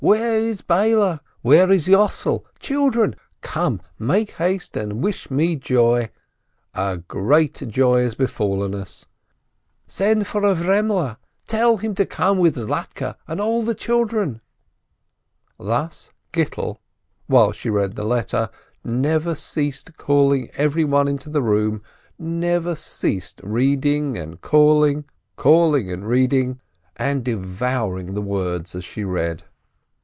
Where is Beile? Where is Yossel? Children! Come, make haste and wish me joy, a great joy has befallen us ! Send for Avremele, tell him to come with Zlatke and all the children." Thus Gittel, while she read the letter, never ceased calling every one into the room, never ceased reading and calling, calling and reading, and devouring the words as she read.